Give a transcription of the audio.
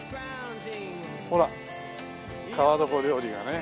ほら川床料理がね。